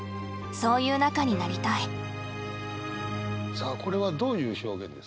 さあこれはどういう表現ですか？